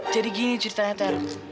jadi gini ceritanya ter